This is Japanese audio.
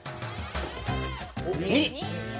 ２！